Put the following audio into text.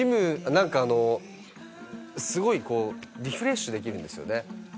すごいリフレッシュできるんですよね。